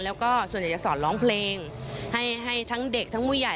แล้วก็ส่วนใหญ่จะสอนร้องเพลงให้ทั้งเด็กทั้งผู้ใหญ่